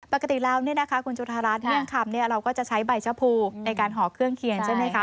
ปกติแล้วนี่นะคะคุณจุฐรัชน์เรื่องขำเนี่ยเราก็จะใช้ใบชะพูในการห่อเครื่องเคียงใช่ไหมคะ